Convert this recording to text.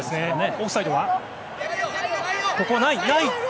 オフサイドはない！